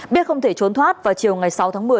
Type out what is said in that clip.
biết không thể trốn thoát vào chiều ngày sáu tháng một mươi